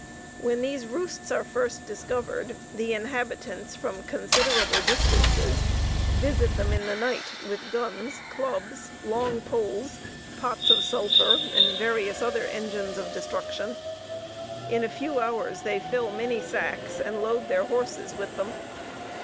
When these roosts are first discovered, the inhabitants, from considerable distances, visit them in the night with guns, clubs, long poles, pots of sulphur, and various other engines of destruction. In a few hours they fill many sacks, and load their horses with them.